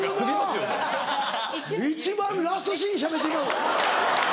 一番のラストシーンしゃべってまう！